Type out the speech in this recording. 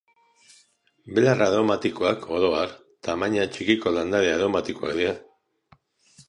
Belar aromatikoak, oro har, tamaina txikiko landare aromatikoak dira